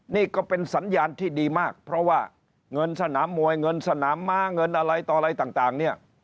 นี่ก็เป็นสัญญาณที่ดีมากเพราะว่าเงินสนามมวยเงินสนามม้าเงินอะไรต่ออะไรต่างเนี่ย